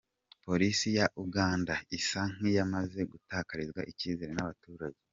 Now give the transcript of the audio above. Polisi ya Uganda isa n’ iyamaze gutakarizwa ikizere n’ abaturage….